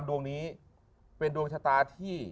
ดวงนี้เป็นดวงชะตาที่